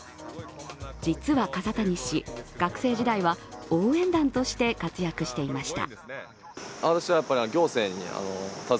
実は笠谷氏、学生時代は応援団として活躍していました。